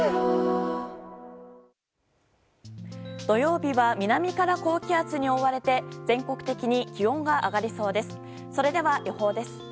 土曜日は南から高気圧に覆われて全国的に気温が上がりそうです。